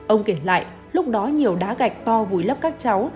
ông kể lại lúc đó nhiều đá gạch to vùi lấp các cháu